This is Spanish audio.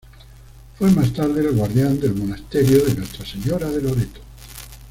Fue más tarde el guardián del monasterio de Nuestra Señora de Loreto.